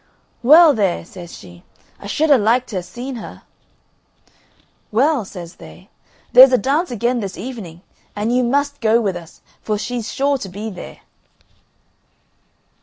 "Well, there," says she, "I should ha' liked to ha' seen her." "Well," says they, "there's a dance again this evening, and you must go with us, for she's sure to be there."